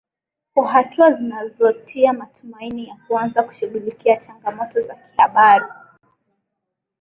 kwa hatua zinazotia matumaini ya kuanza kushughulikia changamoto za kihabari